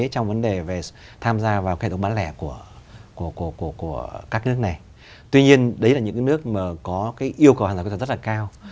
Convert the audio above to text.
trong vấn đề về tham gia vào cái hệ thống bán lẻ của các nước này tuy nhiên đấy là những nước mà có cái yêu cầu hàng rào rất là cao